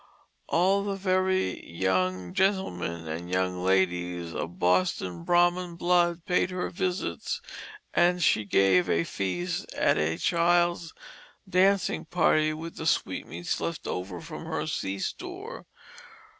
All the very young gentlemen and young ladies of Boston Brahmin blood paid her visits, and she gave a feast at a child's dancing party with the sweetmeats left over from her sea store.